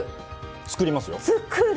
作りますよ作る！